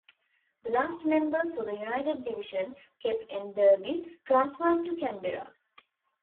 The last member for the united division, Kep Enderby, transferred to Canberra.